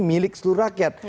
milik seluruh rakyat